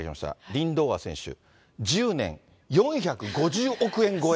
リンドーア選手、１０年４５０億円超え。